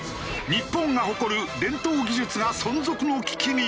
日本が誇る伝統技術が存続の危機に！？